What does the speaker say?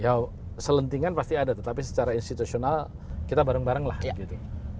ya selentingan pasti ada tetapi secara institusional kita bareng bareng lah gitu